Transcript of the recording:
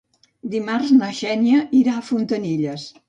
Dimarts na Xènia irà a Fontanilles.